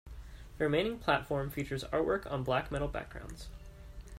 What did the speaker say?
The remaining platform features artwork on black metal backgrounds.